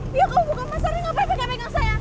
biar kamu buka mas ardi kenapa pegang pegang saya